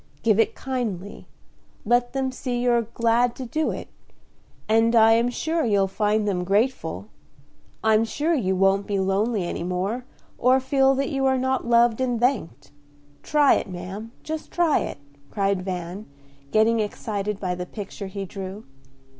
Give it kindly, let them see you're glad to do it, and I am sure you'll find them grateful; I'm sure you won't be lonely any more, or feel that you are not loved and thanked. Try it, ma'am, just try it," cried Van, getting excited by the picture he drew.